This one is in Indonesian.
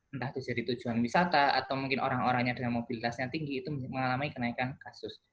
entah itu jadi tujuan wisata atau mungkin orang orangnya dengan mobilitasnya tinggi itu mengalami kenaikan kasus